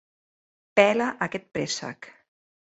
Pela aquest préssec!